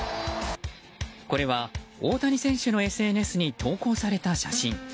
これは、大谷選手のＳＮＳに投稿された写真。